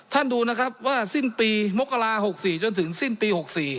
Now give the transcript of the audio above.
ดูนะครับว่าสิ้นปีมกรา๖๔จนถึงสิ้นปี๖๔